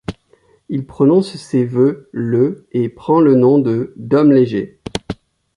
Il prononce ses vœux le et prend le nom de Dom Léger.